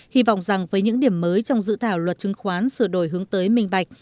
hy vọng rằng với những điểm mới trong dự thảo luật chứng khoán sửa đổi hướng tới minh bạch